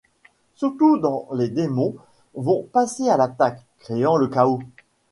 Surtout quand les démons vont passer à l'attaque, créant le chaos...